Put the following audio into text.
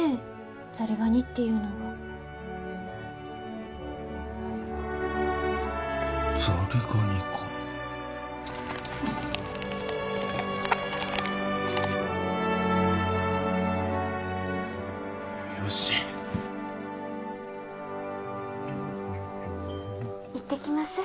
ザリガニっていうのがザリガニかよし行ってきます